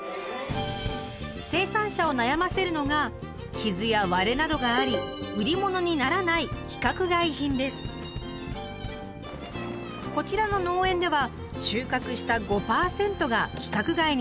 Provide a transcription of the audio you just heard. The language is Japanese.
生産者を悩ませるのが傷や割れなどがあり売り物にならないこちらの農園では収穫した５％が規格外になるといいます。